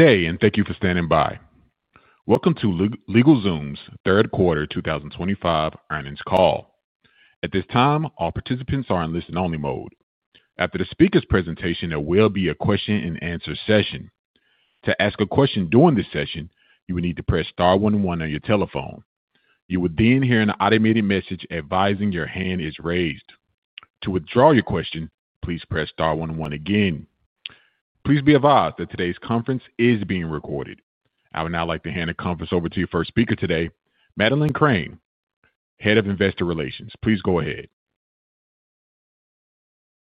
Today, and thank you for standing by. Welcome to LegalZoom's Third Quarter 2025 Earnings Call. At this time, all participants are in listen-only mode. After the speaker's presentation, there will be a question-and-answer session. To ask a question during this session, you will need to press Star 101 on your telephone. You will then hear an automated message advising your hand is raised. To withdraw your question, please press Star 101 again. Please be advised that today's conference is being recorded. I would now like to hand the conference over to your first speaker today, Madeleine Crane, Head of Investor Relations. Please go ahead.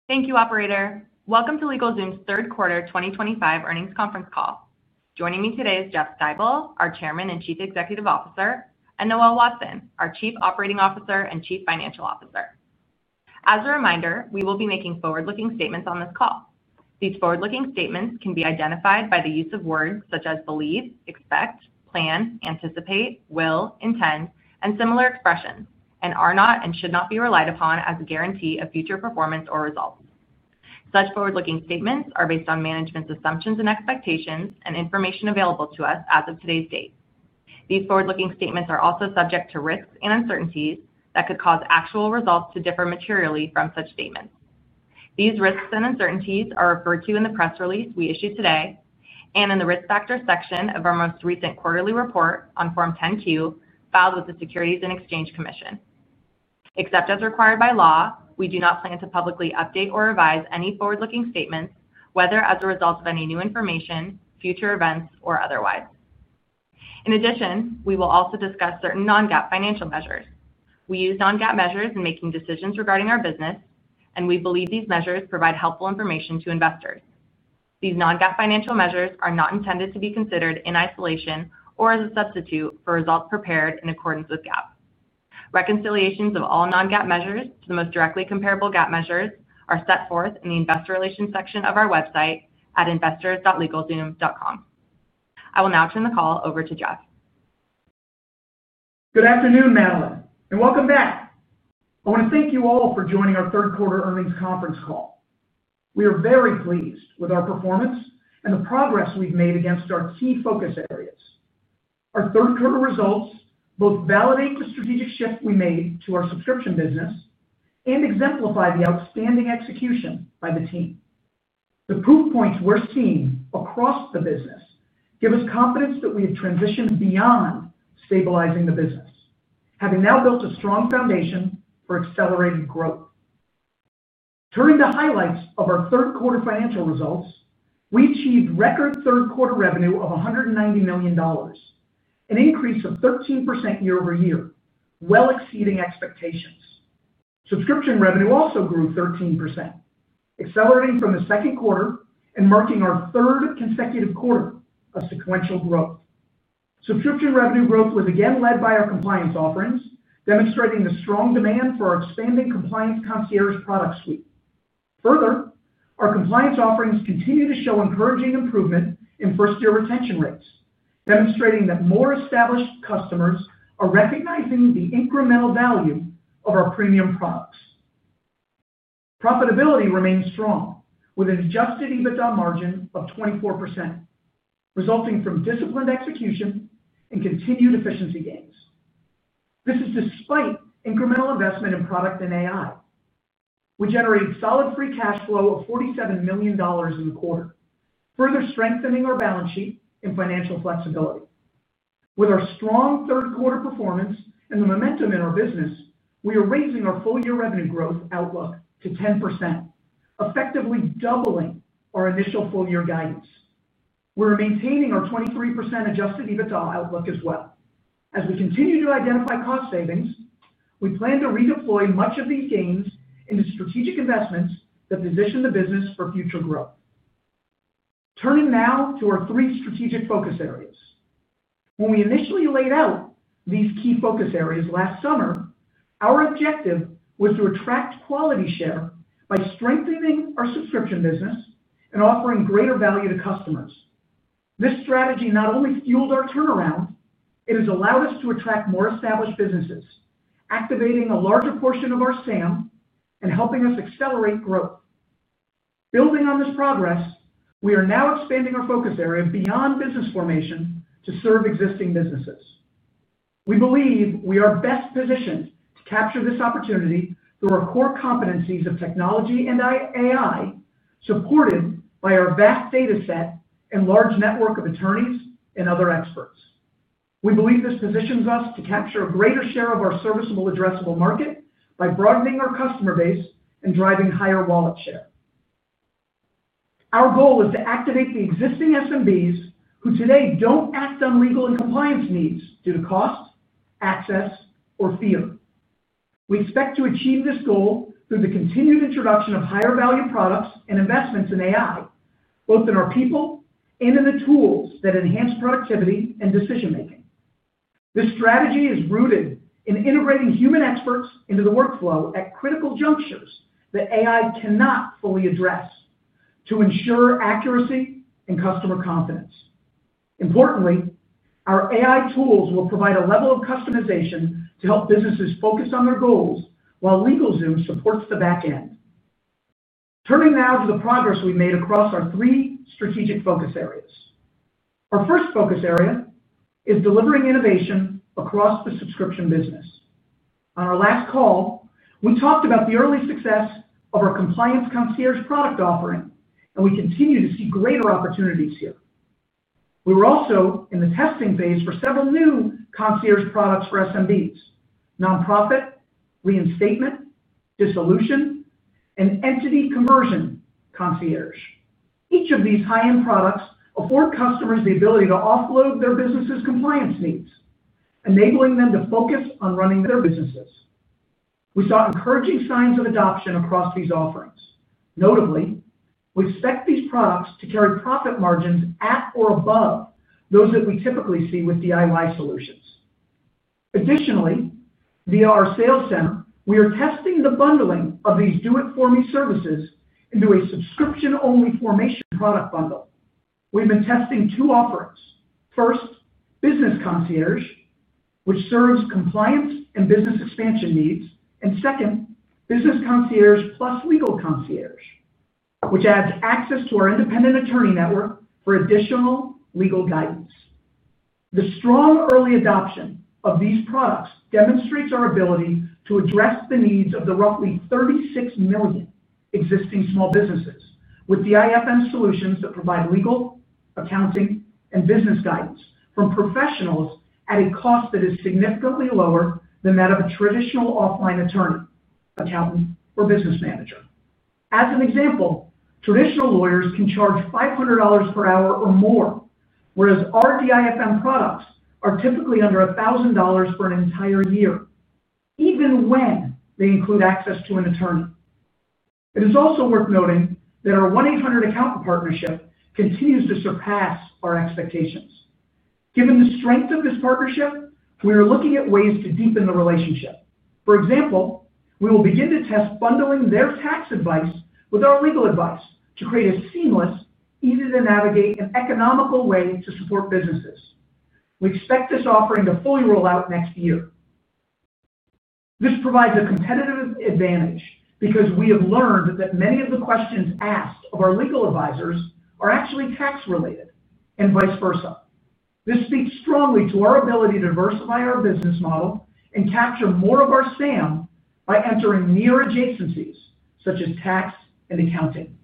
Thank you, Operator. Welcome to LegalZoom's Third Quarter 2025 Earnings Conference Call. Joining me today is Jeff Stibel, our Chairman and Chief Executive Officer, and Noel Watson, our Chief Operating Officer and Chief Financial Officer. As a reminder, we will be making forward-looking statements on this call. These forward-looking statements can be identified by the use of words such as believe, expect, plan, anticipate, will, intend, and similar expressions, and are not and should not be relied upon as a guarantee of future performance or results. Such forward-looking statements are based on management's assumptions and expectations and information available to us as of today's date. These forward-looking statements are also subject to risks and uncertainties that could cause actual results to differ materially from such statements. These risks and uncertainties are referred to in the press release we issued today and in the risk factor section of our most recent quarterly report on Form 10-Q filed with the Securities and Exchange Commission. Except as required by law, we do not plan to publicly update or revise any forward-looking statements, whether as a result of any new information, future events, or otherwise. In addition, we will also discuss certain non-GAAP financial measures. We use non-GAAP measures in making decisions regarding our business, and we believe these measures provide helpful information to investors. These non-GAAP financial measures are not intended to be considered in isolation or as a substitute for results prepared in accordance with GAAP. Reconciliations of all non-GAAP measures to the most directly comparable GAAP measures are set forth in the Investor Relations section of our website at investors.legalzoom.com. I will now turn the call over to Jeff. Good afternoon, Madeleine, and welcome back. I want to thank you all for joining our third quarter earnings conference call. We are very pleased with our performance and the progress we've made against our key focus areas. Our third quarter results both validate the strategic shift we made to our subscription business and exemplify the outstanding execution by the team. The proof points we're seeing across the business give us confidence that we have transitioned beyond stabilizing the business, having now built a strong foundation for accelerated growth. Turning to highlights of our third quarter financial results, we achieved record third quarter revenue of $190 million, an increase of 13% year-over-year, well exceeding expectations. Subscription revenue also grew 13%, accelerating from the second quarter and marking our third consecutive quarter of sequential growth. Subscription revenue growth was again led by our compliance offerings, demonstrating the strong demand for our expanding compliance concierge product suite. Further, our compliance offerings continue to show encouraging improvement in first-year retention rates, demonstrating that more established customers are recognizing the incremental value of our premium products. Profitability remains strong, with an adjusted EBITDA margin of 24%, resulting from disciplined execution and continued efficiency gains. This is despite incremental investment in product and AI. We generated solid free cash flow of $47 million in the quarter, further strengthening our balance sheet and financial flexibility. With our strong third-quarter performance and the momentum in our business, we are raising our full-year revenue growth outlook to 10%, effectively doubling our initial full-year guidance. We are maintaining our 23% adjusted EBITDA outlook as well. As we continue to identify cost savings, we plan to redeploy much of these gains into strategic investments that position the business for future growth. Turning now to our three strategic focus areas. When we initially laid out these key focus areas last summer, our objective was to attract quality share by strengthening our subscription business and offering greater value to customers. This strategy not only fueled our turnaround, it has allowed us to attract more established businesses, activating a larger portion of our SAM and helping us accelerate growth. Building on this progress, we are now expanding our focus area beyond business formation to serve existing businesses. We believe we are best positioned to capture this opportunity through our core competencies of technology and AI, supported by our vast data set and large network of attorneys and other experts. We believe this positions us to capture a greater share of our serviceable, addressable market by broadening our customer base and driving higher wallet share. Our goal is to activate the existing SMBs who today do not act on legal and compliance needs due to cost, access, or fear. We expect to achieve this goal through the continued introduction of higher-value products and investments in AI, both in our people and in the tools that enhance productivity and decision-making. This strategy is rooted in integrating human experts into the workflow at critical junctures that AI cannot fully address to ensure accuracy and customer confidence. Importantly, our AI tools will provide a level of customization to help businesses focus on their goals while LegalZoom supports the back end. Turning now to the progress we have made across our three strategic focus areas. Our first focus area is delivering innovation across the subscription business. On our last call, we talked about the early success of our compliance concierge product offering, and we continue to see greater opportunities here. We were also in the testing phase for several new concierge products for SMBs: nonprofit, reinstatement, dissolution, and entity conversion concierge. Each of these high-end products afford customers the ability to offload their business's compliance needs, enabling them to focus on running their businesses. We saw encouraging signs of adoption across these offerings. Notably, we expect these products to carry profit margins at or above those that we typically see with DIY solutions. Additionally, via our sales center, we are testing the bundling of these do-it-for-me services into a subscription-only formation product bundle. We've been testing two offerings. First, business concierge, which serves compliance and business expansion needs, and second, business concierge plus legal concierge, which adds access to our independent attorney network for additional legal guidance. The strong early adoption of these products demonstrates our ability to address the needs of the roughly 36 million existing small businesses with DIFM solutions that provide legal, accounting, and business guidance from professionals at a cost that is significantly lower than that of a traditional offline attorney, accountant, or business manager. As an example, traditional lawyers can charge $500 per hour or more, whereas our DIFM products are typically under $1,000 for an entire year, even when they include access to an attorney. It is also worth noting that our 1-800 ACCOUNTANT partnership continues to surpass our expectations. Given the strength of this partnership, we are looking at ways to deepen the relationship. For example, we will begin to test bundling their tax advice with our legal advice to create a seamless, easy-to-navigate, and economical way to support businesses. We expect this offering to fully roll out next year. This provides a competitive advantage because we have learned that many of the questions asked of our legal advisors are actually tax-related and vice versa. This speaks strongly to our ability to diversify our business model and capture more of our SAM by entering near adjacencies such as tax and accounting.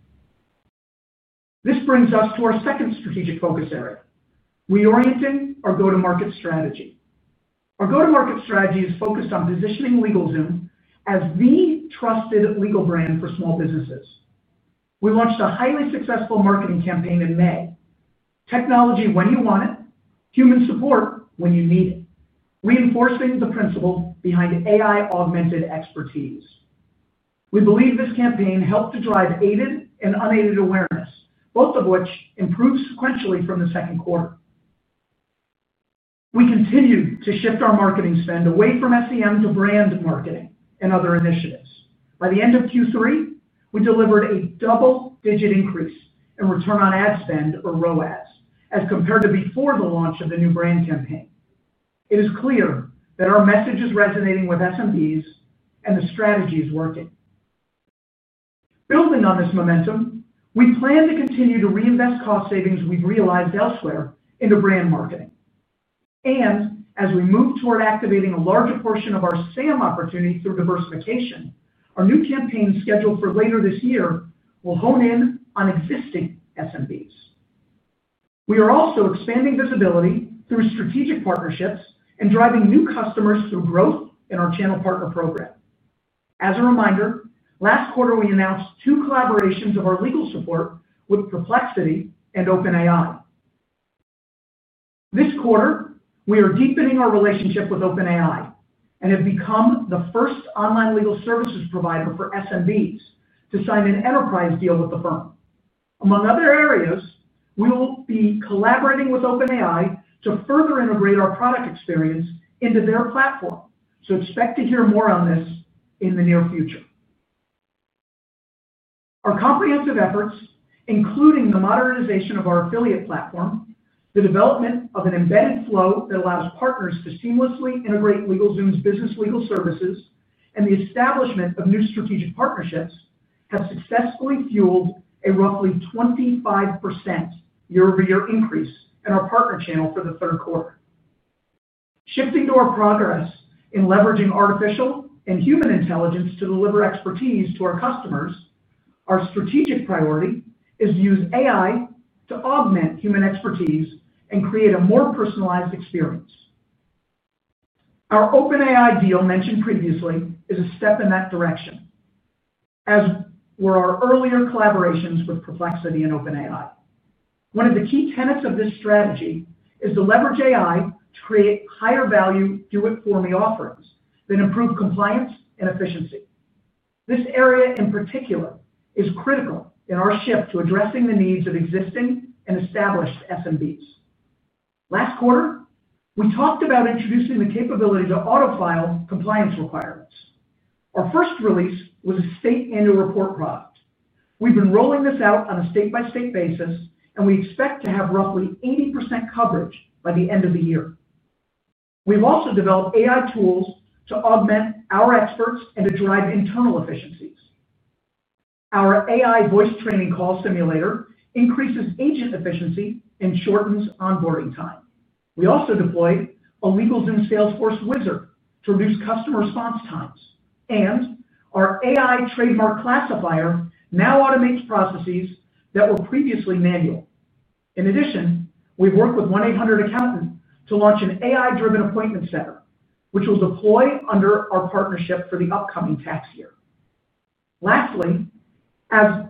This brings us to our second strategic focus area, reorienting our go-to-market strategy. Our go-to-market strategy is focused on positioning LegalZoom as the trusted legal brand for small businesses. We launched a highly successful marketing campaign in May. Technology when you want it, human support when you need it, reinforcing the principle behind AI-augmented expertise. We believe this campaign helped to drive aided and unaided awareness, both of which improved sequentially from the second quarter. We continued to shift our marketing spend away from SEM to brand marketing and other initiatives. By the end of Q3, we delivered a double-digit increase in return on ad spend, or ROAS, as compared to before the launch of the new brand campaign. It is clear that our message is resonating with SMBs and the strategy is working. Building on this momentum, we plan to continue to reinvest cost savings we have realized elsewhere into brand marketing. As we move toward activating a larger portion of our SAM opportunity through diversification, our new campaign scheduled for later this year will hone in on existing SMBs. We are also expanding visibility through strategic partnerships and driving new customers through growth in our channel partner program. As a reminder, last quarter, we announced two collaborations of our legal support with Perplexity and OpenAI. This quarter, we are deepening our relationship with OpenAI and have become the first online legal services provider for SMBs to sign an enterprise deal with the firm. Among other areas, we will be collaborating with OpenAI to further integrate our product experience into their platform, so expect to hear more on this in the near future. Our comprehensive efforts, including the modernization of our affiliate platform, the development of an embedded flow that allows partners to seamlessly integrate LegalZoom's business legal services, and the establishment of new strategic partnerships, have successfully fueled a roughly 25% year-over-year increase in our partner channel for the third quarter. Shifting to our progress in leveraging artificial and human intelligence to deliver expertise to our customers, our strategic priority is to use AI to augment human expertise and create a more personalized experience. Our OpenAI deal mentioned previously is a step in that direction. As were our earlier collaborations with Perplexity and OpenAI. One of the key tenets of this strategy is to leverage AI to create higher-value do-it-for-me offerings that improve compliance and efficiency. This area in particular is critical in our shift to addressing the needs of existing and established SMBs. Last quarter, we talked about introducing the capability to autofile compliance requirements. Our first release was a state annual report product. We've been rolling this out on a state-by-state basis, and we expect to have roughly 80% coverage by the end of the year. We've also developed AI tools to augment our experts and to drive internal efficiencies. Our AI voice training call simulator increases agent efficiency and shortens onboarding time. We also deployed a LegalZoom Salesforce Wizard to reduce customer response times, and our AI trademark classifier now automates processes that were previously manual. In addition, we've worked with 1-800 ACCOUNTANT to launch an AI-driven appointment center, which we'll deploy under our partnership for the upcoming tax year. Lastly, as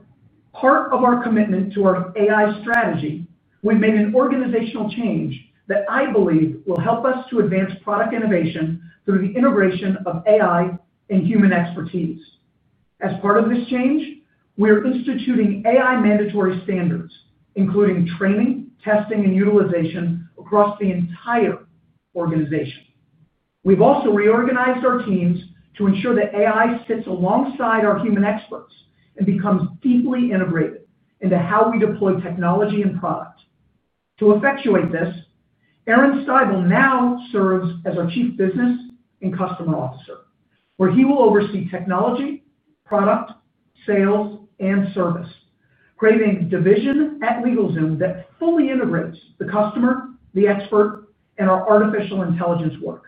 part of our commitment to our AI strategy, we've made an organizational change that I believe will help us to advance product innovation through the integration of AI and human expertise. As part of this change, we are instituting AI mandatory standards, including training, testing, and utilization across the entire organization. We've also reorganized our teams to ensure that AI sits alongside our human experts and becomes deeply integrated into how we deploy technology and product. To effectuate this, Aaron Steibel now serves as our Chief Business and Customer Officer, where he will oversee technology, product, sales, and service, creating a division at LegalZoom that fully integrates the customer, the expert, and our artificial intelligence work.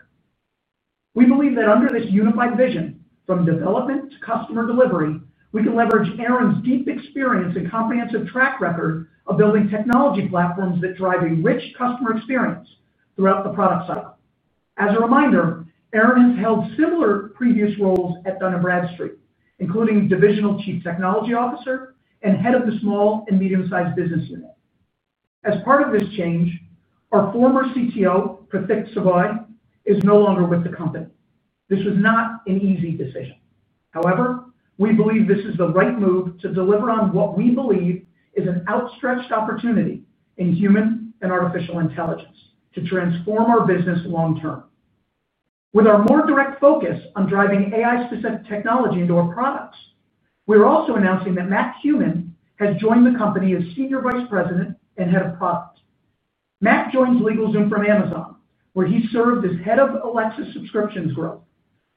We believe that under this unified vision, from development to customer delivery, we can leverage Aaron's deep experience and comprehensive track record of building technology platforms that drive a rich customer experience throughout the product cycle. As a reminder, Aaron has held similar previous roles at Dun & Bradstreet, including Divisional Chief Technology Officer and Head of the Small and Medium-Sized Business Unit. As part of this change, our former CTO, Karthik Savoy, is no longer with the company. This was not an easy decision. However, we believe this is the right move to deliver on what we believe is an outstretched opportunity in human and artificial intelligence to transform our business long-term. With our more direct focus on driving AI-specific technology into our products, we are also announcing that Matt Heumann has joined the company as Senior Vice President and Head of Product. Matt joins LegalZoom from Amazon, where he served as head of Alexa subscriptions growth,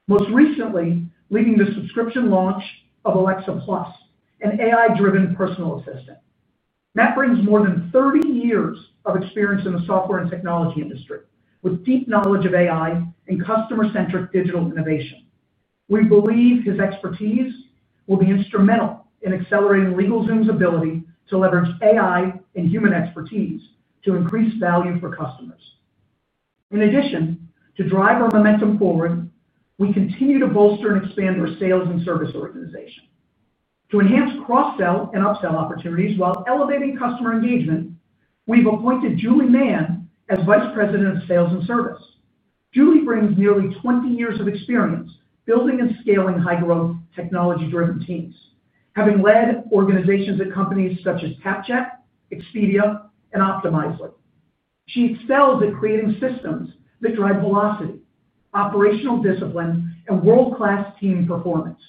most recently leading the subscription launch of Alexa Plus, an AI-driven personal assistant. Matt brings more than 30 years of experience in the software and technology industry, with deep knowledge of AI and customer-centric digital innovation. We believe his expertise will be instrumental in accelerating LegalZoom's ability to leverage AI and human expertise to increase value for customers. In addition to drive our momentum forward, we continue to bolster and expand our sales and service organization. To enhance cross-sell and upsell opportunities while elevating customer engagement, we've appointed Julie Mann as Vice President of Sales and Service. Julie brings nearly 20 years of experience building and scaling high-growth technology-driven teams, having led organizations at companies such as CapJack, Expedia, and Optimizely. She excels at creating systems that drive velocity, operational discipline, and world-class team performance.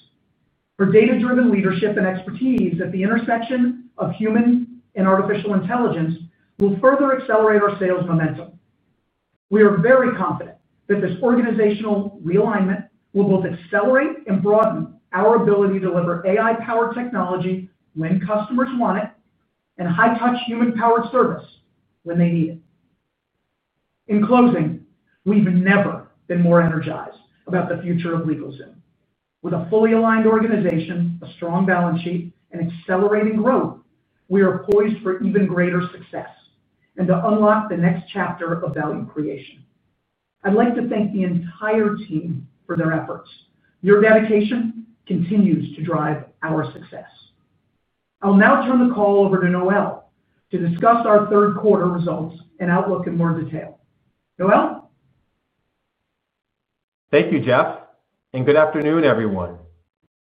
Her data-driven leadership and expertise at the intersection of human and artificial intelligence will further accelerate our sales momentum. We are very confident that this organizational realignment will both accelerate and broaden our ability to deliver AI-powered technology when customers want it and high-touch human-powered service when they need it. In closing, we've never been more energized about the future of LegalZoom. With a fully aligned organization, a strong balance sheet, and accelerating growth, we are poised for even greater success and to unlock the next chapter of value creation. I'd like to thank the entire team for their efforts. Your dedication continues to drive our success. I'll now turn the call over to Noel to discuss our third quarter results and outlook in more detail. Noel? Thank you, Jeff. Good afternoon, everyone.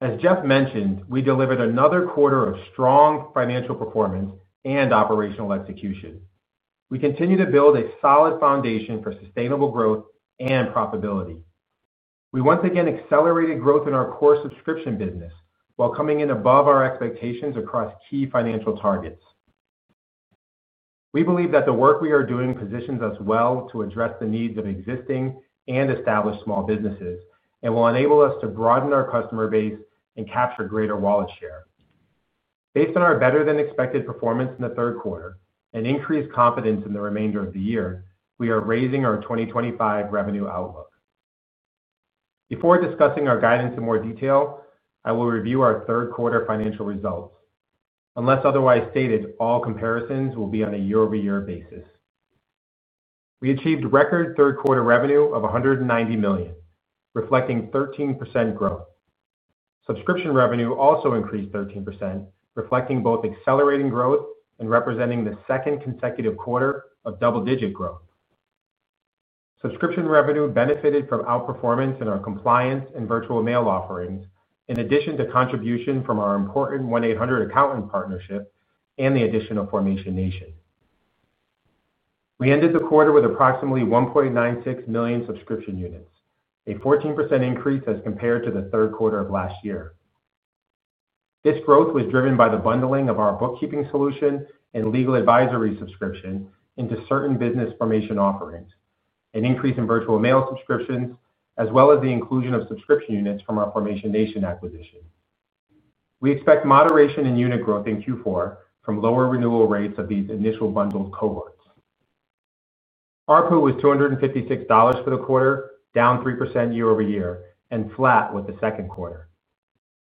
As Jeff mentioned, we delivered another quarter of strong financial performance and operational execution. We continue to build a solid foundation for sustainable growth and profitability. We once again accelerated growth in our core subscription business while coming in above our expectations across key financial targets. We believe that the work we are doing positions us well to address the needs of existing and established small businesses and will enable us to broaden our customer base and capture greater wallet share. Based on our better-than-expected performance in the third quarter and increased confidence in the remainder of the year, we are raising our 2025 revenue outlook. Before discussing our guidance in more detail, I will review our third quarter financial results. Unless otherwise stated, all comparisons will be on a year-over-year basis. We achieved record third quarter revenue of $190 million, reflecting 13% growth. Subscription revenue also increased 13%, reflecting both accelerating growth and representing the second consecutive quarter of double-digit growth. Subscription revenue benefited from outperformance in our compliance and virtual mail offerings, in addition to contribution from our important 1-800 ACCOUNTANT partnership and the addition of Formation Nation. We ended the quarter with approximately 1.96 million subscription units, a 14% increase as compared to the third quarter of last year. This growth was driven by the bundling of our bookkeeping solution and legal advisory subscription into certain business formation offerings, an increase in virtual mail subscriptions, as well as the inclusion of subscription units from our Formation Nation acquisition. We expect moderation in unit growth in Q4 from lower renewal rates of these initial bundled cohorts. Our PU was $256 for the quarter, down 3% year-over-year, and flat with the second quarter.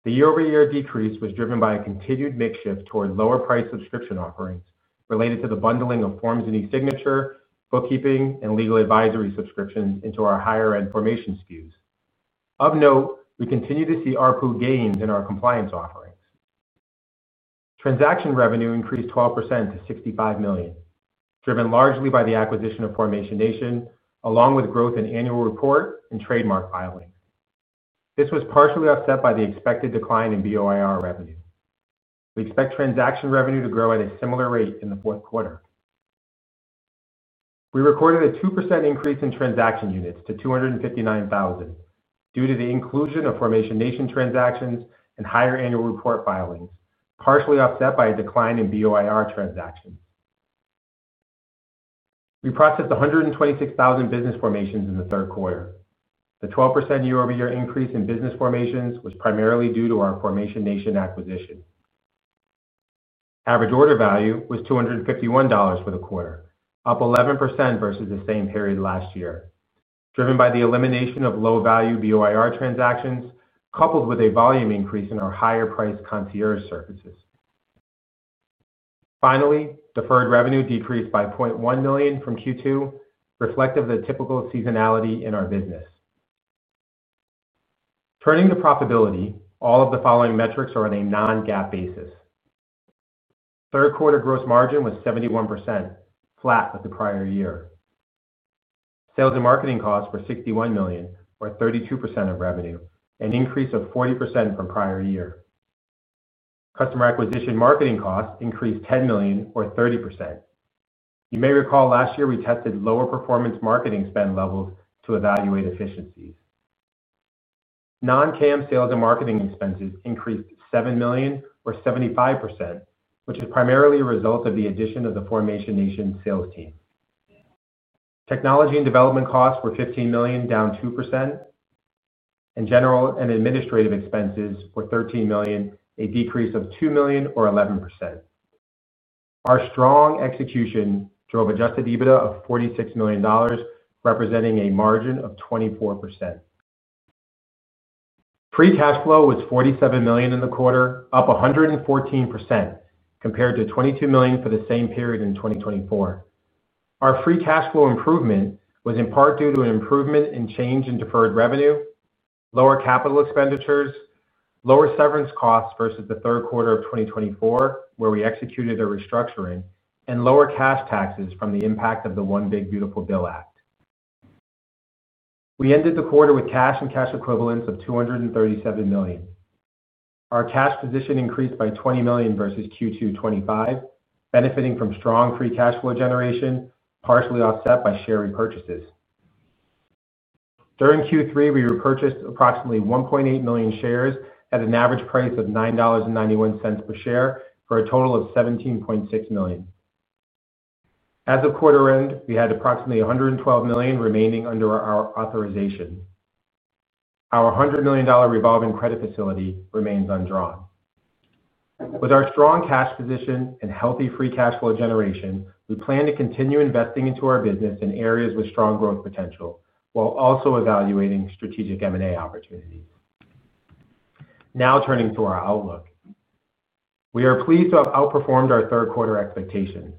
The year-over-year decrease was driven by a continued mix shift toward lower-priced subscription offerings related to the bundling of forms and e-signature, bookkeeping, and legal advisory subscriptions into our higher-end formation SKUs. Of note, we continue to see our PU gains in our compliance offerings. Transaction revenue increased 12% to $65 million, driven largely by the acquisition of Formation Nation, along with growth in annual report and trademark filings. This was partially offset by the expected decline in BOIR revenue. We expect transaction revenue to grow at a similar rate in the fourth quarter. We recorded a 2% increase in transaction units to 259,000 due to the inclusion of Formation Nation transactions and higher annual report filings, partially offset by a decline in BOIR transactions. We processed 126,000 business formations in the third quarter. The 12% year-over-year increase in business formations was primarily due to our Formation Nation acquisition. Average order value was $251 for the quarter, up 11% versus the same period last year, driven by the elimination of low-value BOIR transactions coupled with a volume increase in our higher-priced concierge services. Finally, deferred revenue decreased by $0.1 million from Q2, reflective of the typical seasonality in our business. Turning to profitability, all of the following metrics are on a non-GAAP basis. Third quarter gross margin was 71%, flat with the prior year. Sales and marketing costs were $61 million, or 32% of revenue, an increase of 40% from prior year. Customer acquisition marketing costs increased $10 million, or 30%. You may recall last year we tested lower performance marketing spend levels to evaluate efficiencies. Non-CAM sales and marketing expenses increased $7 million, or 75%, which is primarily a result of the addition of the Formation Nation sales team. Technology and development costs were $15 million, down 2%. General and administrative expenses were $13 million, a decrease of $2 million, or 11%. Our strong execution drove adjusted EBITDA of $46 million, representing a margin of 24%. Free cash flow was $47 million in the quarter, up 114%, compared to $22 million for the same period in 2024. Our free cash flow improvement was in part due to an improvement in change in deferred revenue, lower capital expenditures, lower severance costs versus the third quarter of 2024, where we executed a restructuring, and lower cash taxes from the impact of the One Big Beautiful Bill Act. We ended the quarter with cash and cash equivalents of $237 million. Our cash position increased by $20 million versus Q2 2025, benefiting from strong free cash flow generation, partially offset by share repurchases. During Q3, we repurchased approximately 1.8 million shares at an average price of $9.91 per share for a total of $17.6 million. As the quarter ended, we had approximately $112 million remaining under our authorization. Our $100 million revolving credit facility remains undrawn. With our strong cash position and healthy free cash flow generation, we plan to continue investing into our business in areas with strong growth potential while also evaluating strategic M&A opportunities. Now turning to our outlook. We are pleased to have outperformed our third quarter expectations.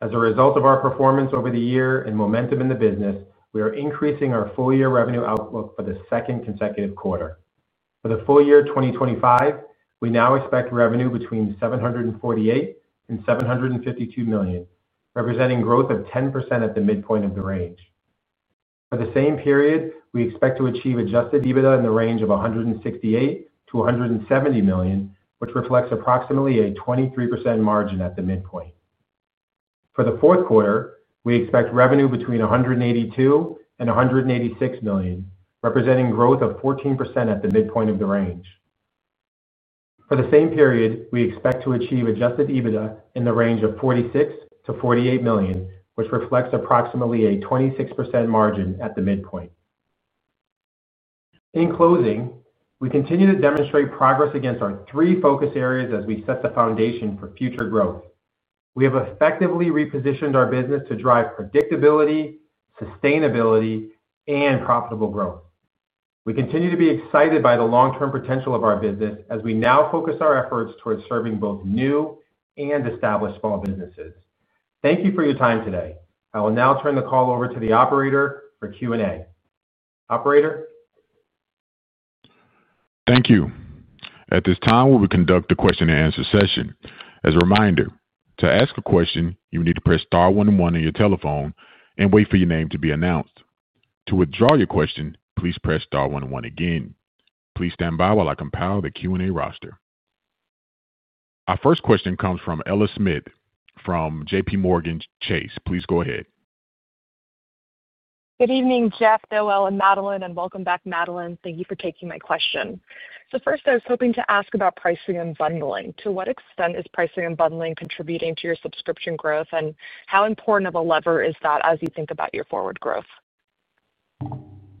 As a result of our performance over the year and momentum in the business, we are increasing our full-year revenue outlook for the second consecutive quarter. For the full year 2025, we now expect revenue between $748-$752 million, representing growth of 10% at the midpoint of the range. For the same period, we expect to achieve adjusted EBITDA in the range of $168-$170 million, which reflects approximately a 23% margin at the midpoint. For the fourth quarter, we expect revenue between $182-$186 million, representing growth of 14% at the midpoint of the range. For the same period, we expect to achieve adjusted EBITDA in the range of $46-$48 million, which reflects approximately a 26% margin at the midpoint. In closing, we continue to demonstrate progress against our three focus areas as we set the foundation for future growth. We have effectively repositioned our business to drive predictability, sustainability, and profitable growth. We continue to be excited by the long-term potential of our business as we now focus our efforts towards serving both new and established small businesses. Thank you for your time today. I will now turn the call over to the operator for Q&A. Operator? Thank you. At this time, we will conduct a question-and-answer session. As a reminder, to ask a question, you need to press star 101 on your telephone and wait for your name to be announced. To withdraw your question, please press star 101 again. Please stand by while I compile the Q&A roster. Our first question comes from Ella Smith from JPMorgan Chase. Please go ahead. Good evening, Jeff, Noel, and Madeleine. Welcome back, Madeleine. Thank you for taking my question. First, I was hoping to ask about pricing and bundling. To what extent is pricing and bundling contributing to your subscription growth, and how important of a lever is that as you think about your forward growth?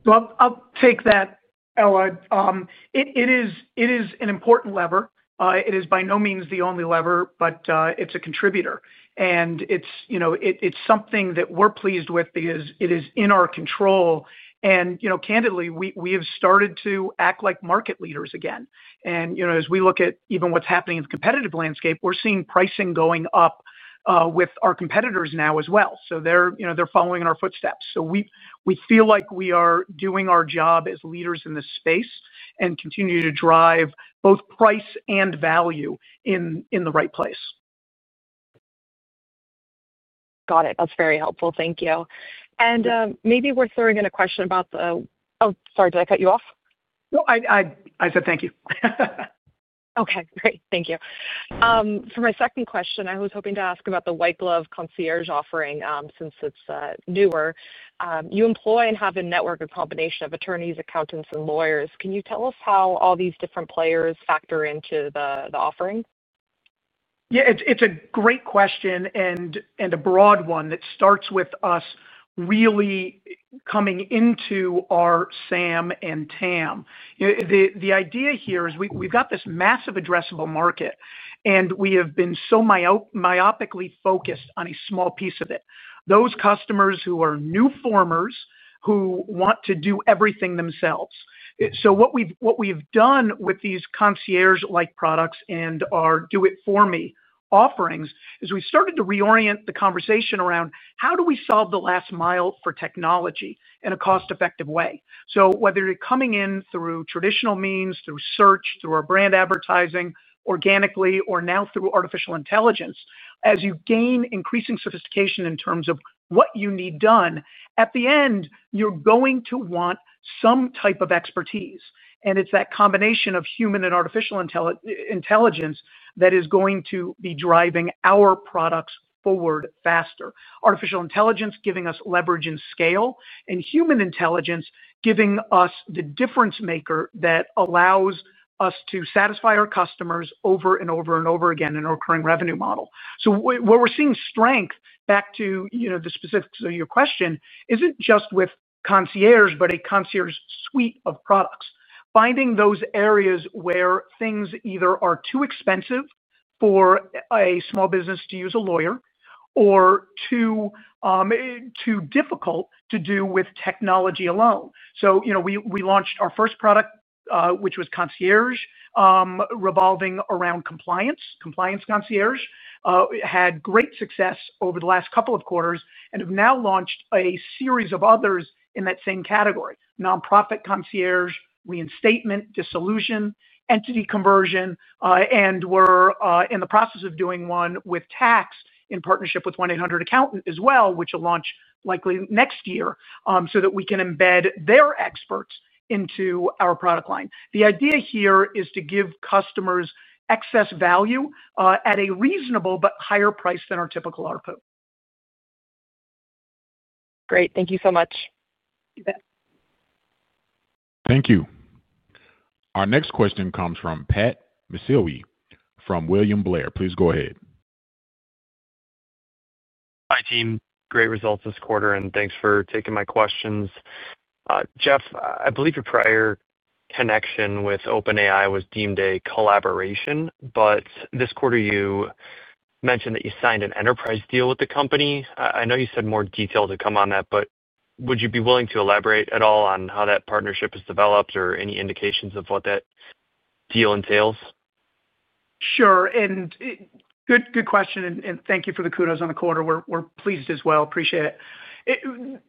I'll take that, Ella. It is an important lever. It is by no means the only lever, but it's a contributor. It's something that we're pleased with because it is in our control. Candidly, we have started to act like market leaders again. As we look at even what's happening in the competitive landscape, we're seeing pricing going up with our competitors now as well. They're following in our footsteps. We feel like we are doing our job as leaders in this space and continue to drive both price and value in the right place. Got it. That's very helpful. Thank you. Maybe we're throwing in a question about the—oh, sorry, did I cut you off? No, I said thank you. Okay. Great. Thank you. For my second question, I was hoping to ask about the White Glove concierge offering since it's newer. You employ and have a network of combination of attorneys, accountants, and lawyers. Can you tell us how all these different players factor into the offering? Yeah. It's a great question and a broad one that starts with us really coming into our SAM and TAM. The idea here is we've got this massive addressable market, and we have been so myopically focused on a small piece of it. Those customers who are new formers, who want to do everything themselves. What we've done with these concierge-like products and our do-it-for-me offerings is we've started to reorient the conversation around how do we solve the last mile for technology in a cost-effective way. Whether you're coming in through traditional means, through search, through our brand advertising, organically, or now through artificial intelligence, as you gain increasing sophistication in terms of what you need done, at the end, you're going to want some type of expertise. It's that combination of human and artificial intelligence that is going to be driving our products forward faster. Artificial intelligence giving us leverage and scale, and human intelligence giving us the difference maker that allows us to satisfy our customers over and over and over again in our current revenue model. Where we're seeing strength, back to the specifics of your question, isn't just with concierge, but a concierge suite of products. Finding those areas where things either are too expensive for a small business to use a lawyer or too difficult to do with technology alone. We launched our first product, which was concierge, revolving around compliance, compliance concierge. It had great success over the last couple of quarters and have now launched a series of others in that same category: nonprofit concierge, reinstatement, dissolution, entity conversion, and we're in the process of doing one with tax in partnership with 1-800 ACCOUNTANT as well, which will launch likely next year so that we can embed their experts into our product line. The idea here is to give customers excess value at a reasonable but higher price than our typical ARPU. Great. Thank you so much. Thank you. Our next question comes from Patrick McIlwee from William Blair. Please go ahead. Hi, team. Great results this quarter, and thanks for taking my questions. Jeff, I believe your prior connection with OpenAI was deemed a collaboration, but this quarter, you mentioned that you signed an enterprise deal with the company. I know you said more detail to come on that, but would you be willing to elaborate at all on how that partnership has developed or any indications of what that deal entails? Sure. Good question, and thank you for the kudos on the quarter. We're pleased as well. Appreciate it.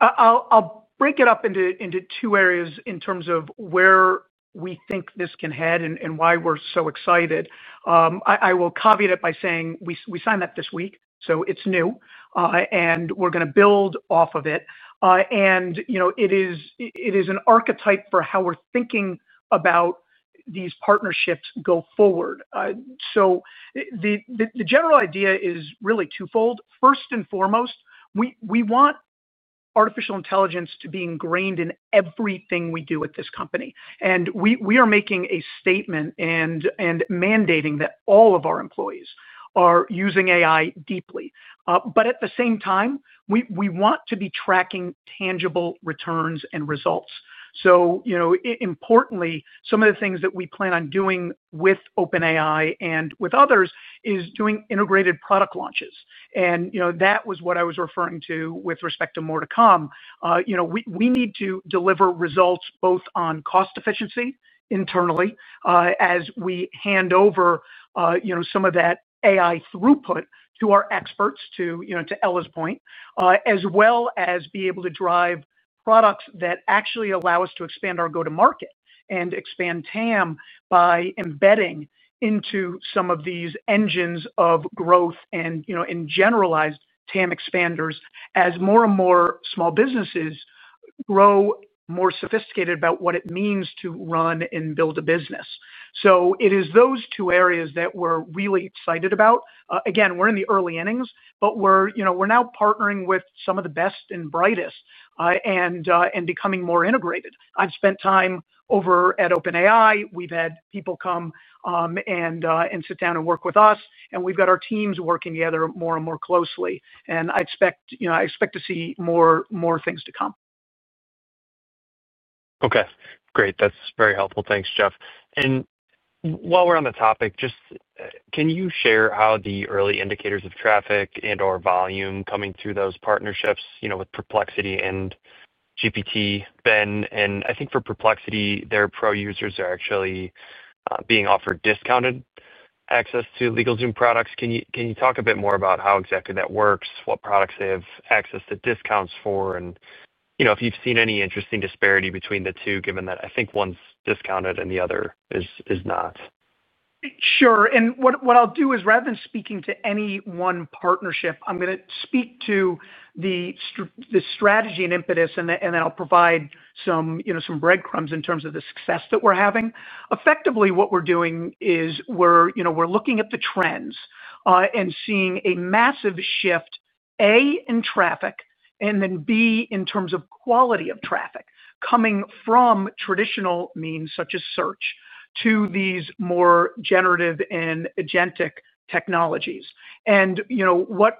I'll break it up into two areas in terms of where we think this can head and why we're so excited. I will caveat it by saying we signed that this week, so it's new, and we're going to build off of it. It is an archetype for how we're thinking about these partnerships going forward. The general idea is really twofold. First and foremost, we want artificial intelligence to be ingrained in everything we do at this company. We are making a statement and mandating that all of our employees are using AI deeply. At the same time, we want to be tracking tangible returns and results. Importantly, some of the things that we plan on doing with OpenAI and with others is doing integrated product launches. And that was what I was referring to with respect to more to come. We need to deliver results both on cost efficiency internally as we hand over. Some of that AI throughput to our experts, to Ella's point, as well as be able to drive products that actually allow us to expand our go-to-market and expand TAM by embedding into some of these engines of growth and, in general, TAM expanders as more and more small businesses grow more sophisticated about what it means to run and build a business. So it is those two areas that we're really excited about. Again, we're in the early innings, but we're now partnering with some of the best and brightest and becoming more integrated. I've spent time over at OpenAI. We've had people come. And sit down and work with us, and we've got our teams working together more and more closely. And I expect to see more things to come. Okay. Great. That's very helpful. Thanks, Jeff. And while we're on the topic, just can you share how the early indicators of traffic and/or volume coming through those partnerships with Perplexity and OpenAI, and I think for Perplexity, their pro users are actually being offered discounted access to LegalZoom products? Can you talk a bit more about how exactly that works, what products they have access to discounts for, and if you've seen any interesting disparity between the two, given that I think one's discounted and the other is not? Sure. And what I'll do is, rather than speaking to any one partnership, I'm going to speak to the strategy and impetus, and then I'll provide some breadcrumbs in terms of the success that we're having. Effectively, what we're doing is we're looking at the trends and seeing a massive shift, A, in traffic, and then B, in terms of quality of traffic coming from traditional means such as search to these more generative and agentic technologies. And what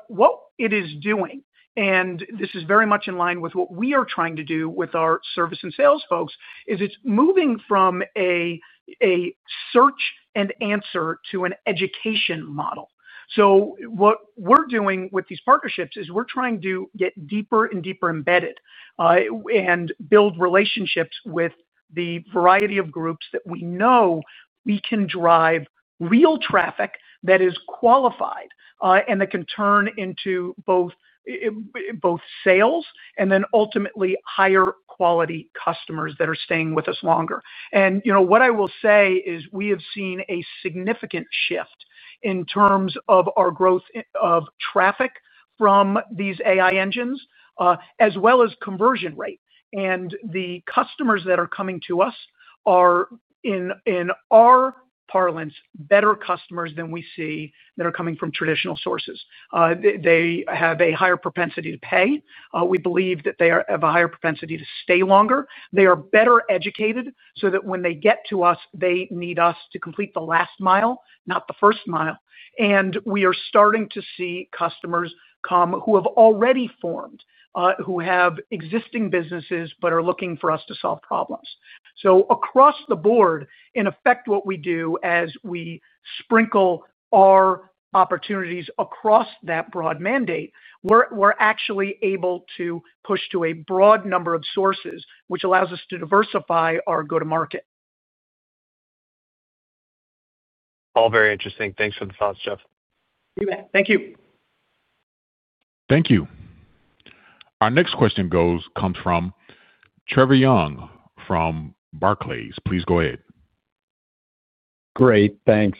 it is doing, and this is very much in line with what we are trying to do with our service and sales folks, is it's moving from a search and answer to an education model. What we're doing with these partnerships is we're trying to get deeper and deeper embedded and build relationships with the variety of groups that we know we can drive real traffic that is qualified and that can turn into both sales, and then ultimately higher quality customers that are staying with us longer. What I will say is we have seen a significant shift in terms of our growth of traffic from these AI engines, as well as conversion rate. The customers that are coming to us are, in our parlance, better customers than we see that are coming from traditional sources. They have a higher propensity to pay. We believe that they have a higher propensity to stay longer. They are better educated so that when they get to us, they need us to complete the last mile, not the first mile. We are starting to see customers come who have already formed, who have existing businesses, but are looking for us to solve problems. Across the board, in effect, what we do as we sprinkle our opportunities across that broad mandate, we're actually able to push to a broad number of sources, which allows us to diversify our go-to-market. All very interesting. Thanks for the thoughts, Jeff. You bet. Thank you. Thank you. Our next question comes from. Trevor Young from Barclays. Please go ahead. Great. Thanks.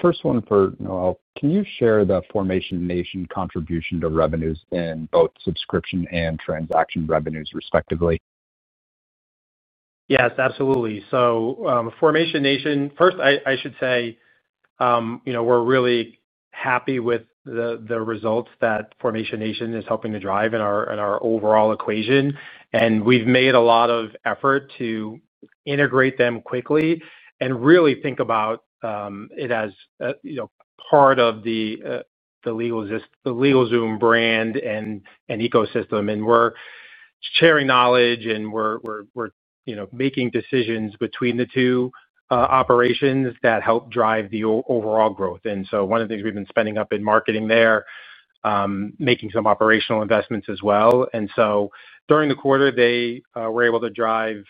First one for Noel, can you share the Formation Nation contribution to revenues in both subscription and transaction revenues, respectively? Yes, absolutely. So Formation Nation, first, I should say. We're really happy with the results that Formation Nation is helping to drive in our overall equation. And we've made a lot of effort to integrate them quickly and really think about it as part of the LegalZoom brand and ecosystem. And we're sharing knowledge, and we're making decisions between the two operations that help drive the overall growth. And so one of the things we've been spending up in marketing there, making some operational investments as well. And so during the quarter, they were able to drive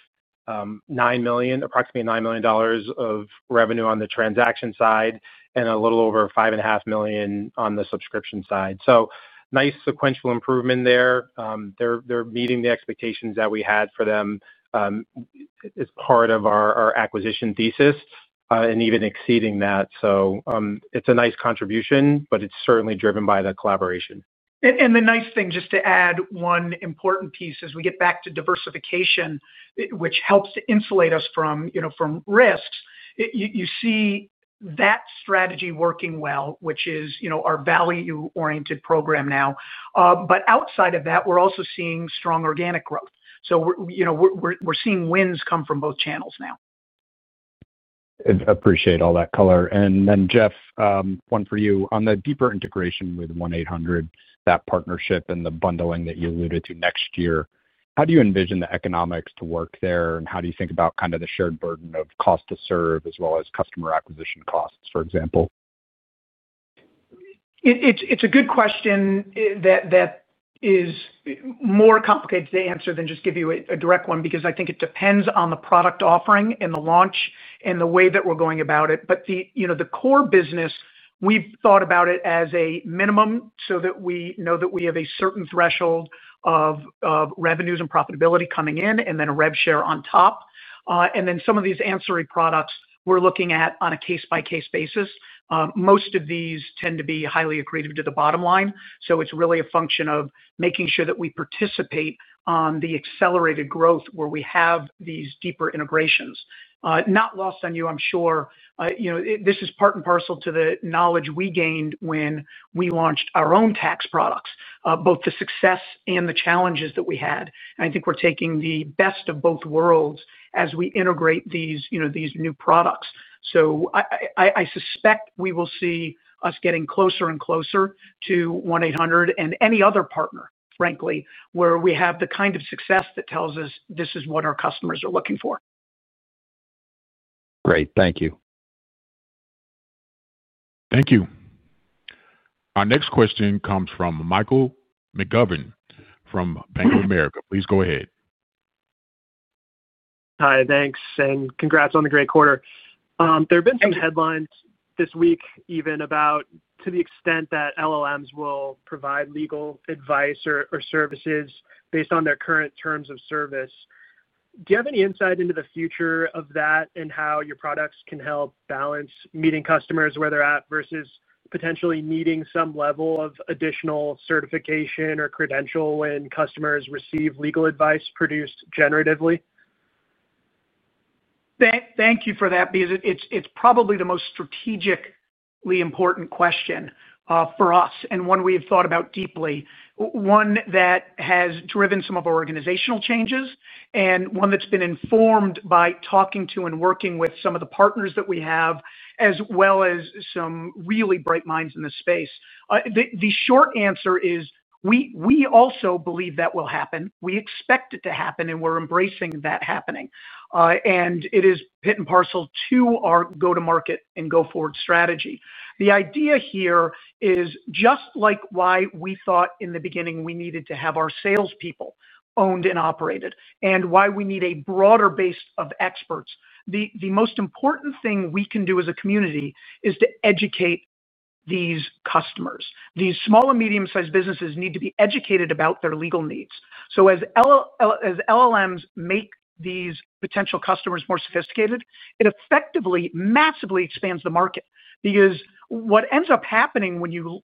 approximately $9 million of revenue on the transaction side and a little over $5.5 million on the subscription side. So nice sequential improvement there. They're meeting the expectations that we had for them as part of our acquisition thesis and even exceeding that. So it's a nice contribution, but it's certainly driven by the collaboration. The nice thing, just to add one important piece as we get back to diversification, which helps to insulate us from risks, you see that strategy working well, which is our value-oriented program now. Outside of that, we're also seeing strong organic growth. We're seeing wins come from both channels now. Appreciate all that color. Jeff, one for you. On the deeper integration with 1-800 ACCOUNTANT, that partnership and the bundling that you alluded to next year, how do you envision the economics to work there, and how do you think about kind of the shared burden of cost to serve as well as customer acquisition costs, for example? It's a good question that. Is more complicated to answer than just give you a direct one because I think it depends on the product offering and the launch and the way that we're going about it. But the core business, we've thought about it as a minimum so that we know that we have a certain threshold of revenues and profitability coming in and then a rev share on top. And then some of these ancillary products we're looking at on a case-by-case basis. Most of these tend to be highly accretive to the bottom line. So it's really a function of making sure that we participate on the accelerated growth where we have these deeper integrations. Not lost on you, I'm sure. This is part and parcel to the knowledge we gained when we launched our own tax products, both the success and the challenges that we had. And I think we're taking the best of both worlds as we integrate these new products. So I suspect we will see us getting closer and closer to 1-800 and any other partner, frankly, where we have the kind of success that tells us this is what our customers are looking for. Great. Thank you. Thank you. Our next question comes from Michael McGovern from Bank of America. Please go ahead. Hi, thanks. And congrats on the great quarter. There have been some headlines this week, even up to the extent that LLMs will provide legal advice or services based on their current terms of service. Do you have any insight into the future of that and how your products can help balance meeting customers where they're at versus potentially needing some level of additional certification or credential when customers receive legal advice produced generatively? Thank you for that because it's probably the most strategically important question for us and one we have thought about deeply, one that has driven some of our organizational changes and one that's been informed by talking to and working with some of the partners that we have, as well as some really bright minds in this space. The short answer is, we also believe that will happen. We expect it to happen, and we're embracing that happening. It is part and parcel to our go-to-market and go forward strategy. The idea here is just like why we thought in the beginning we needed to have our salespeople owned and operated and why we need a broader base of experts. The most important thing we can do as a community is to educate these customers. These small and medium-sized businesses need to be educated about their legal needs. So as. LLMs make these potential customers more sophisticated, it effectively massively expands the market because what ends up happening when you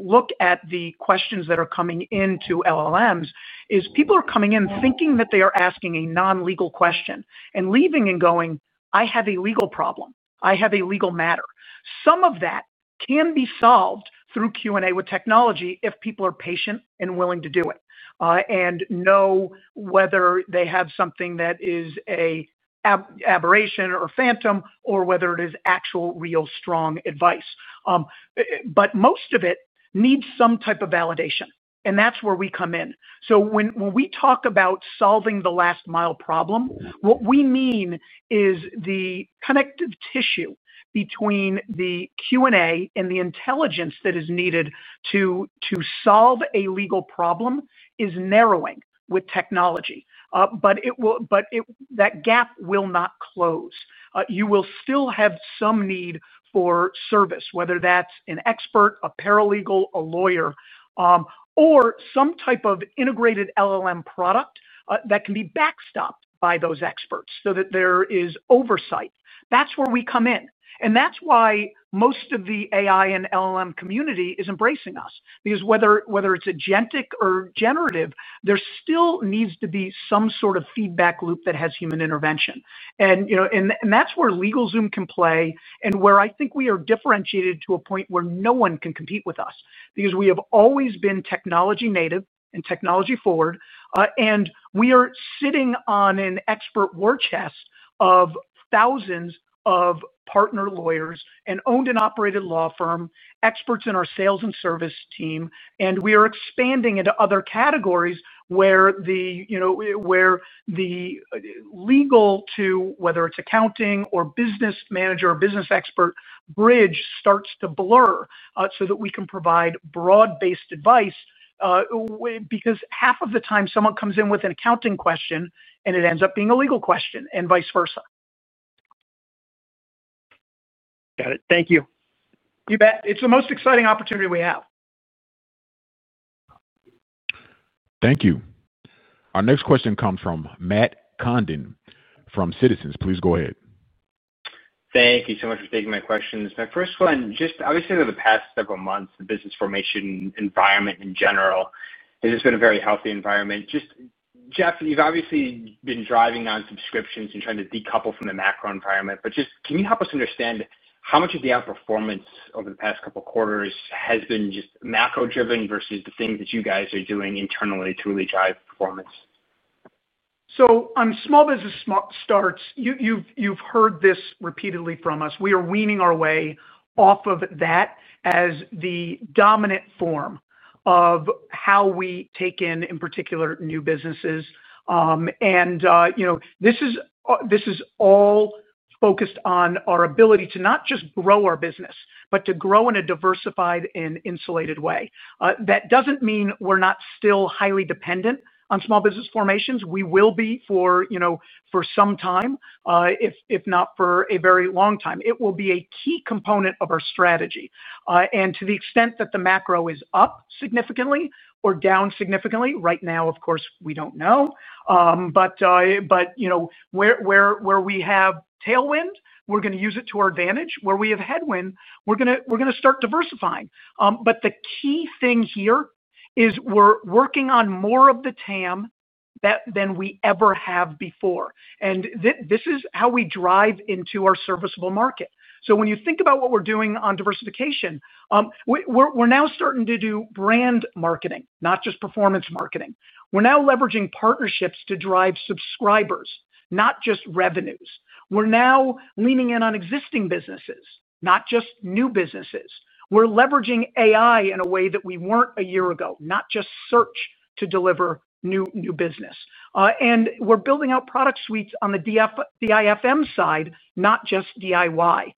look at the questions that are coming into LLMs is people are coming in thinking that they are asking a non-legal question and leaving and going, "I have a legal problem. I have a legal matter." Some of that can be solved through Q&A with technology if people are patient and willing to do it and know whether they have something that is an. Aberration or phantom or whether it is actual, real, strong advice. But most of it needs some type of validation, and that's where we come in. So when we talk about solving the last-mile problem, what we mean is the connective tissue between the Q&A and the intelligence that is needed to. Solve a legal problem is narrowing with technology. But. That gap will not close. You will still have some need for service, whether that's an expert, a paralegal, a lawyer. Or some type of integrated LLM product that can be backstopped by those experts so that there is oversight. That's where we come in. And that's why most of the AI and LLM community is embracing us because whether it's agentic or generative, there still needs to be some sort of feedback loop that has human intervention. And that's where LegalZoom can play and where I think we are differentiated to a point where no one can compete with us because we have always been technology native and technology forward. And we are sitting on an expert war chest of thousands of partner lawyers and owned and operated law firm, experts in our sales and service team. And we are expanding into other categories where. The. Legal to, whether it's accounting or business manager or business expert, bridge starts to blur so that we can provide broad-based advice. Because half of the time, someone comes in with an accounting question, and it ends up being a legal question and vice versa. Got it. Thank you. You bet. It's the most exciting opportunity we have. Thank you. Our next question comes from Matthew Condon from Citizens. Please go ahead. Thank you so much for taking my questions. My first one, just obviously over the past several months, the business formation environment in general has just been a very healthy environment. Jeff, you've obviously been driving on subscriptions and trying to decouple from the macro environment. But just can you help us understand how much of the outperformance over the past couple of quarters has been just macro-driven versus the things that you guys are doing internally to really drive performance? So on small business starts, you've heard this repeatedly from us. We are weaning our way off of that as the dominant form of how we take in, in particular, new businesses. And. This is. All focused on our ability to not just grow our business, but to grow in a diversified and insulated way. That doesn't mean we're not still highly dependent on small business formations. We will be for. Some time, if not for a very long time. It will be a key component of our strategy. And to the extent that the macro is up significantly or down significantly, right now, of course, we don't know. But. Where we have tailwind, we're going to use it to our advantage. Where we have headwind, we're going to start diversifying. But the key thing here is we're working on more of the TAM than we ever have before. And this is how we drive into our serviceable market. So when you think about what we're doing on diversification. We're now starting to do brand marketing, not just performance marketing. We're now leveraging partnerships to drive subscribers, not just revenues. We're now leaning in on existing businesses, not just new businesses. We're leveraging AI in a way that we weren't a year ago, not just search to deliver new business. And we're building out product suites on the DIFM side, not just DIY.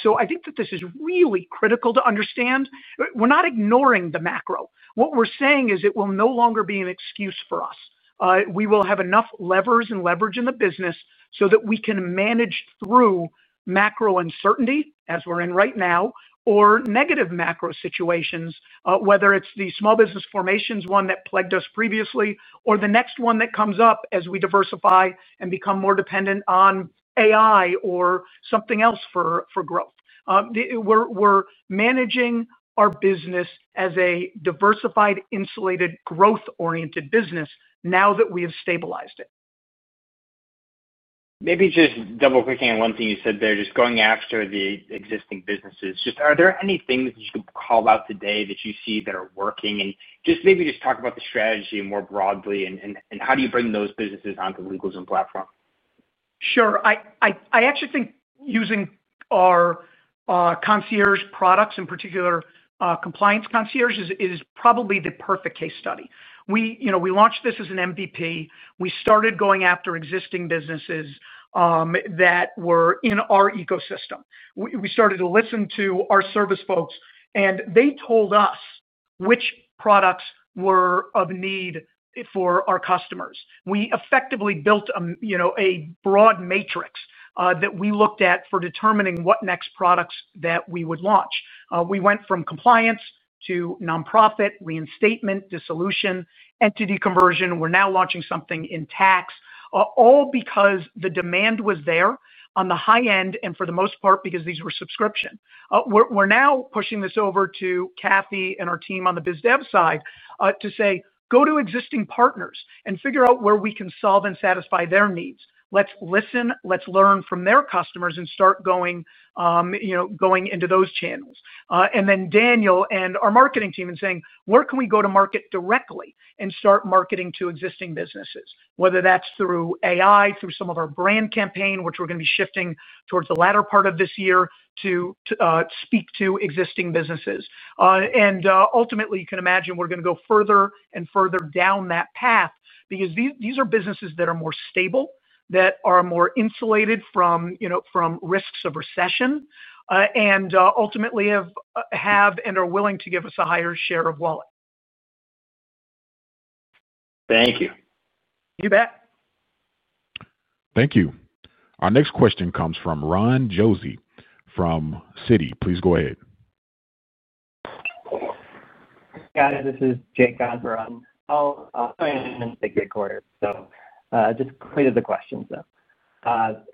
So I think that this is really critical to understand. We're not ignoring the macro. What we're saying is it will no longer be an excuse for us. We will have enough levers and leverage in the business so that we can manage through macro uncertainty as we're in right now or negative macro situations, whether it's the small business formations one that plagued us previously or the next one that comes up as we diversify and become more dependent on AI or something else for growth. We're managing our business as a diversified, insulated, growth-oriented business now that we have stabilized it. Maybe just double-clicking on one thing you said there, just going after the existing businesses. Just are there any things you could call out today that you see that are working? And just maybe just talk about the strategy more broadly and how do you bring those businesses onto LegalZoom platform? Sure. I actually think using our Concierge products, in particular Compliance Concierge, is probably the perfect case study. We launched this as an MVP. We started going after existing businesses that were in our ecosystem. We started to listen to our service folks, and they told us which products were of need for our customers. We effectively built a broad matrix that we looked at for determining what next products that we would launch. We went from Compliance to Nonprofit, Reinstatement, Dissolution, Entity Conversion. We're now launching something in tax, all because the demand was there on the high end and for the most part because these were subscription. We're now pushing this over to Kathy and our team on the BizDev side to say, "Go to existing partners and figure out where we can solve and satisfy their needs. Let's listen. Let's learn from their customers and start going. Into those channels." And then Daniel and our marketing team and saying, "Where can we go to market directly and start marketing to existing businesses?" Whether that's through AI, through some of our brand campaign, which we're going to be shifting towards the latter part of this year to speak to existing businesses. And ultimately, you can imagine we're going to go further and further down that path because these are businesses that are more stable, that are more insulated from risks of recession, and ultimately have and are willing to give us a higher share of wallet. Thank you. You bet. Thank you. Our next question comes from Ron Josey from Citi. Please go ahead. Guys, this is Jake Osborne. I'm in the great quarter, so I just created the question. So.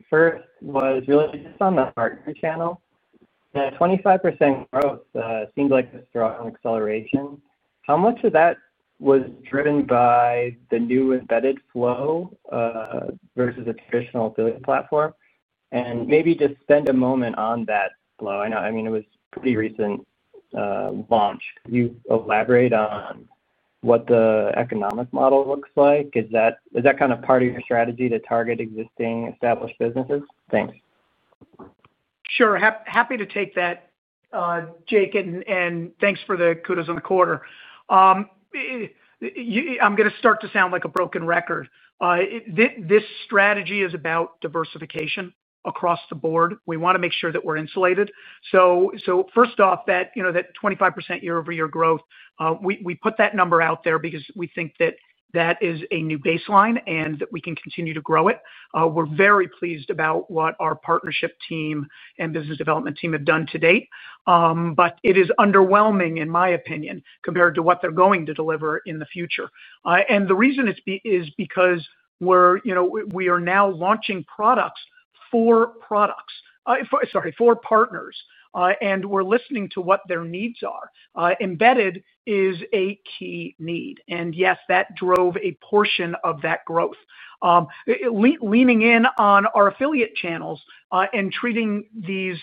First was really just on the partner channel. The 25% growth seemed like a strong acceleration. How much of that was driven by the new embedded flow. Versus a traditional affiliate platform? And maybe just spend a moment on that flow. I mean, it was a pretty recent. Launch. Could you elaborate on what the economic model looks like? Is that kind of part of your strategy to target existing established businesses? Thanks. Sure. Happy to take that. Jake, and thanks for the kudos on the quarter. I'm going to start to sound like a broken record. This strategy is about diversification across the board. We want to make sure that we're insulated. So first off, that 25% year-over-year growth, we put that number out there because we think that that is a new baseline and that we can continue to grow it. We're very pleased about what our partnership team and business development team have done to date. But it is underwhelming, in my opinion, compared to what they're going to deliver in the future. And the reason is because. We are now launching products for partners. And we're listening to what their needs are. Embedded is a key need. And yes, that drove a portion of that growth. Leaning in on our affiliate channels and treating these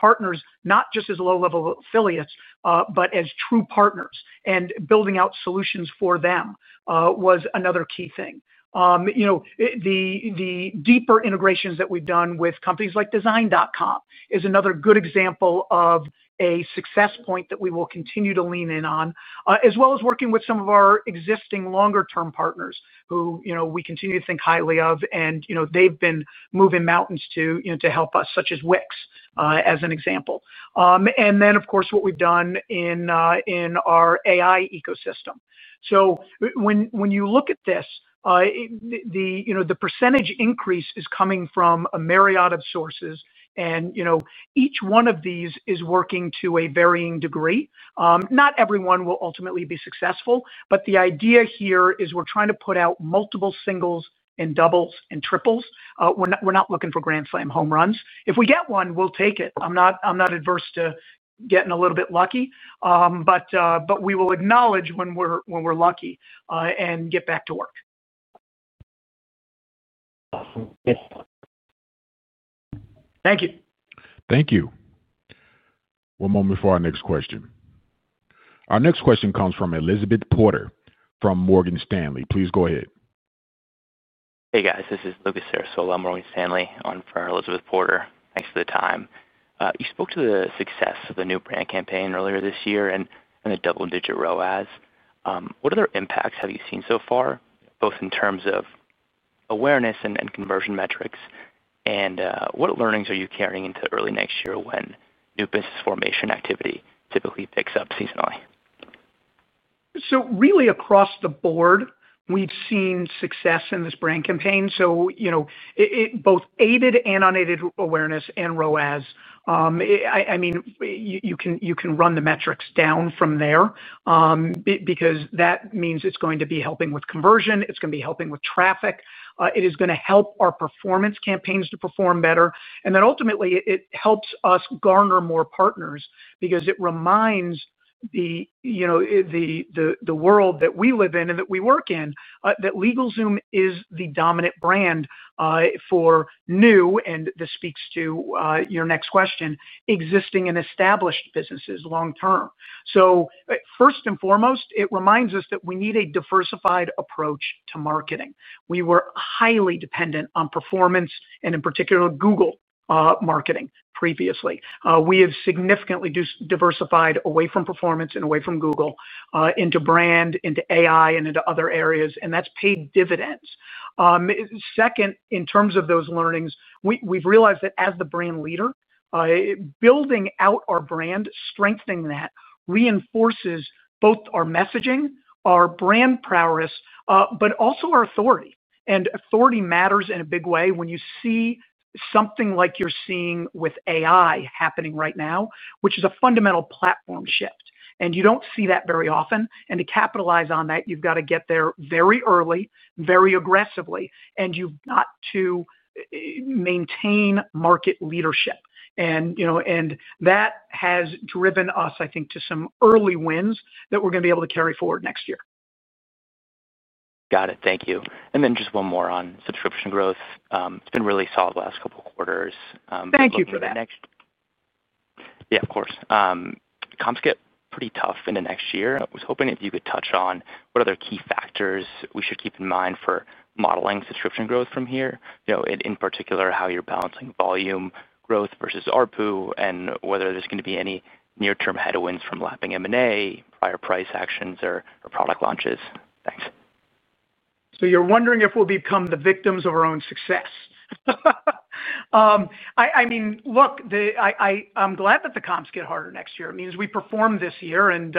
partners not just as low-level affiliates, but as true partners and building out solutions for them was another key thing. The deeper integrations that we've done with companies like Design.com is another good example of a success point that we will continue to lean in on, as well as working with some of our existing longer-term partners who we continue to think highly of. And they've been moving mountains to help us, such as Wix, as an example. And then, of course, what we've done in. Our AI ecosystem. So when you look at this. The percentage increase is coming from a myriad of sources. And each one of these is working to a varying degree. Not everyone will ultimately be successful. But the idea here is we're trying to put out multiple singles and doubles and triples. We're not looking for grand slam home runs. If we get one, we'll take it. I'm not adverse to getting a little bit lucky. But we will acknowledge when we're lucky and get back to work. Awesome. Thank you. Thank you. One moment for our next question. Our next question comes from Elizabeth Porter from Morgan Stanley. Please go ahead. Hey, guys. This is Lucas Serasola at Morgan Stanley on for Elizabeth Porter. Thanks for the time. You spoke to the success of the new brand campaign earlier this year and the double-digit ROAS. What other impacts have you seen so far, both in terms of. Awareness and conversion metrics? And what learnings are you carrying into early next year when new business formation activity typically picks up seasonally? So really, across the board, we've seen success in this brand campaign. So. Both aided and unaided awareness and ROAS. I mean, you can run the metrics down from there. Because that means it's going to be helping with conversion. It's going to be helping with traffic. It is going to help our performance campaigns to perform better. And then ultimately, it helps us garner more partners because it reminds the. World that we live in and that we work in that LegalZoom is the dominant brand for new, and this speaks to your next question, existing and established businesses long-term. So first and foremost, it reminds us that we need a diversified approach to marketing. We were highly dependent on performance and, in particular, Google marketing previously. We have significantly diversified away from performance and away from Google into brand, into AI, and into other areas. And that's paid dividends. Second, in terms of those learnings, we've realized that as the brand leader. Building out our brand, strengthening that, reinforces both our messaging, our brand prowess, but also our authority. And authority matters in a big way when you see something like you're seeing with AI happening right now, which is a fundamental platform shift. And you don't see that very often. And to capitalize on that, you've got to get there very early, very aggressively. And you've got to. Maintain market leadership. And that has driven us, I think, to some early wins that we're going to be able to carry forward next year. Got it. Thank you. And then just one more on subscription growth. It's been really solid the last couple of quarters. Thank you for that. Yeah, of course. Comps get pretty tough in the next year. I was hoping if you could touch on what other key factors we should keep in mind for modeling subscription growth from here, in particular, how you're balancing volume growth versus ARPU and whether there's going to be any near-term headwinds from lapping M&A, prior price actions, or product launches. Thanks. So you're wondering if we'll become the victims of our own success. I mean, look, I'm glad that the comps get harder next year. It means we performed this year, and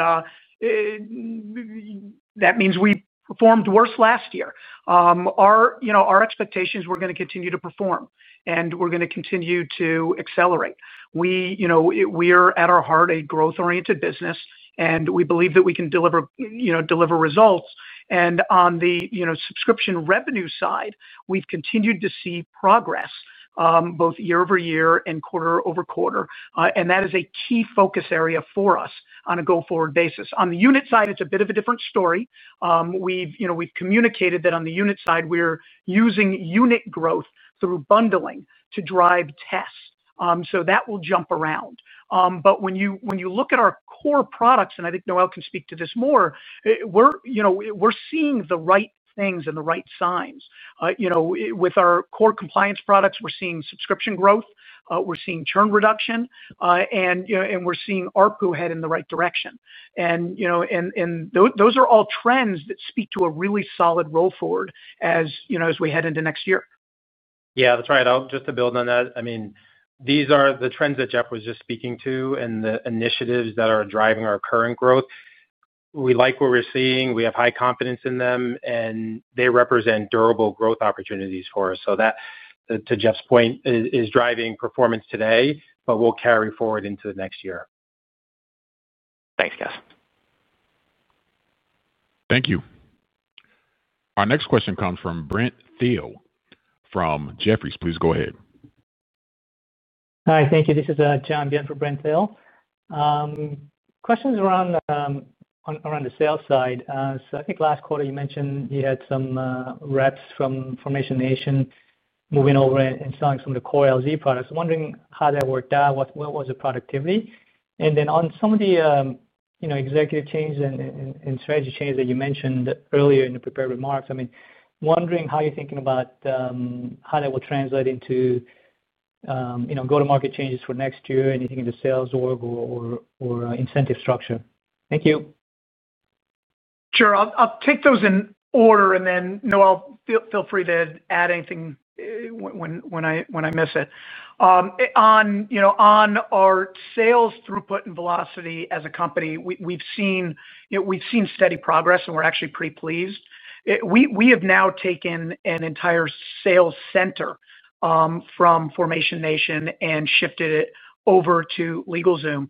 that means we performed worse last year. Our expectations were going to continue to perform, and we're going to continue to accelerate. We are at our heart a growth-oriented business, and we believe that we can deliver results. And on the subscription revenue side, we've continued to see progress both year-over-year and quarter over quarter. And that is a key focus area for us on a go-forward basis. On the unit side, it's a bit of a different story. We've communicated that on the unit side, we're using unit growth through bundling to drive tests. So that will jump around. But when you look at our core products, and I think Noel can speak to this more, we're seeing the right things and the right signs. With our core compliance products, we're seeing subscription growth. We're seeing churn reduction. And we're seeing ARPU head in the right direction. And. Those are all trends that speak to a really solid roll forward as we head into next year. Yeah, that's right. Just to build on that, I mean, these are the trends that Jeff was just speaking to and the initiatives that are driving our current growth. We like what we're seeing. We have high confidence in them, and they represent durable growth opportunities for us. So that, to Jeff's point, is driving performance today, but we'll carry forward into the next year. Thanks, guys. Thank you. Our next question comes from Brent Thiel from Jeffries. Please go ahead. Hi, thank you. This is John Bennett from Brent Thiel. Questions around. The sales side. So I think last quarter, you mentioned you had some reps from Formation Nation moving over and selling some of the core LZ products. Wondering how that worked out, what was the productivity? And then on some of the. Executive change and strategy change that you mentioned earlier in the prepared remarks, I mean, wondering how you're thinking about. How that will translate into. Go to market changes for next year and anything in the sales org or incentive structure. Thank you. Sure. I'll take those in order, and then Noel, feel free to add anything. When I miss it. On. Our sales throughput and velocity as a company, we've seen. Steady progress, and we're actually pretty pleased. We have now taken an entire sales center from Formation Nation and shifted it over to LegalZoom,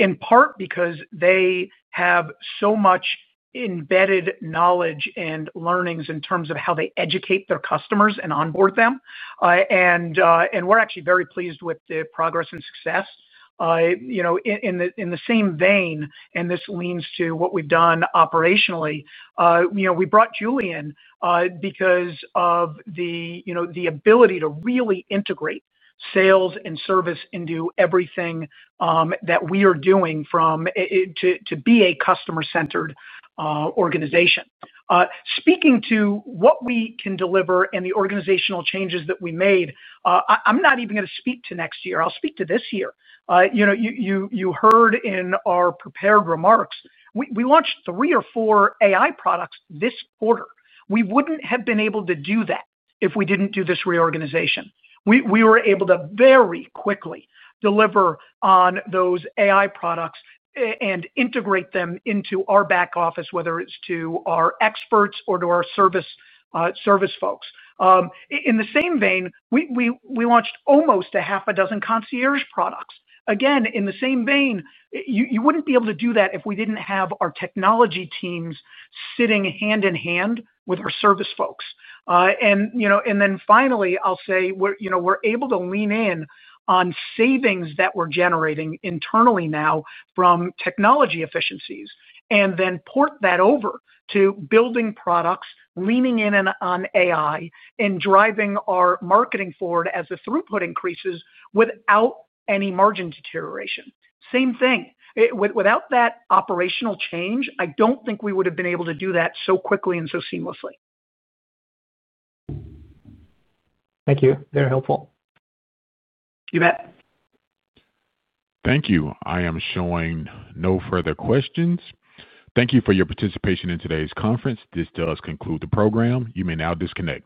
in part because they have so much embedded knowledge and learnings in terms of how they educate their customers and onboard them. And we're actually very pleased with the progress and success. In the same vein, and this leans to what we've done operationally, we brought Julian because of the ability to really integrate sales and service into everything that we are doing to. Be a customer-centered organization. Speaking to what we can deliver and the organizational changes that we made, I'm not even going to speak to next year. I'll speak to this year. You heard in our prepared remarks, we launched three or four AI products this quarter. We wouldn't have been able to do that if we didn't do this reorganization. We were able to very quickly deliver on those AI products and integrate them into our back office, whether it's to our experts or to our service. Folks. In the same vein, we launched almost a half a dozen concierge products. Again, in the same vein, you wouldn't be able to do that if we didn't have our technology teams sitting hand in hand with our service folks. And then finally, I'll say we're able to lean in on savings that we're generating internally now from technology efficiencies and then port that over to building products, leaning in on AI, and driving our marketing forward as the throughput increases without any margin deterioration. Same thing. Without that operational change, I don't think we would have been able to do that so quickly and so seamlessly. Thank you. Very helpful. You bet. Thank you. I am showing no further questions. Thank you for your participation in today's conference. This does conclude the program. You may now disconnect.